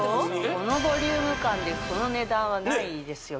このボリューム感でその値段はないですよ